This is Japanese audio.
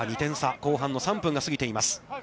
後半の３分が過ぎています。